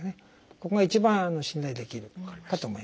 ここが一番信頼できるかと思います。